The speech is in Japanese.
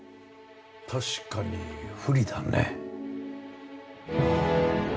確かに不利だね。